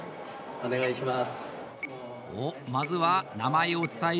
お願いします。